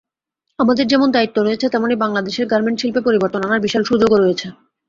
আমাদের যেমন দায়িত্ব রয়েছে তেমনি বাংলাদেশের গার্মেন্ট শিল্পে পরিবর্তন আনার বিশাল সুযোগও রয়েছে।